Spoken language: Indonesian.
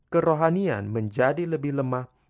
kerohanian menjadi lebih lemah